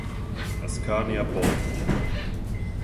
Ascania Bonn.